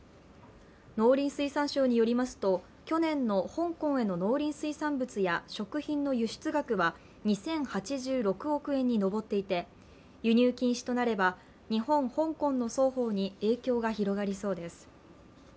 農林水産省によりますと去年の香港への農林水産物や食品の輸出額は２０８６億円に上っていて、輸入禁止となれば、日本、香港の双方に影響が広がりそうです。